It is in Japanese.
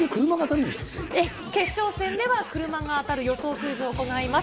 炉ええ、決勝戦では車が当たる予想クイズを行います。